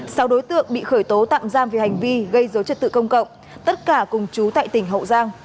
sau đối tượng bị khởi tố tạm giam về hành vi gây dấu chất tự công cộng tất cả cùng trú tại tỉnh hậu giang